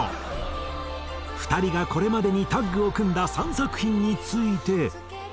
２人がこれまでにタッグを組んだ３作品について。